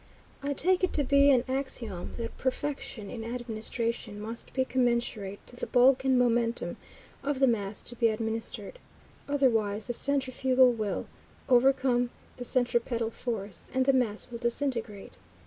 I take it to be an axiom, that perfection in administration must be commensurate to the bulk and momentum of the mass to be administered, otherwise the centrifugal will overcome the centripetal force, and the mass will disintegrate.